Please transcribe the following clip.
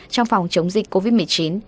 trong phòng chống dịch covid một mươi chín